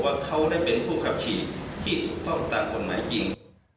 ว่าเขาได้เป็นผู้ขับขี่ที่ถูกต้องตามกฎหมายจริง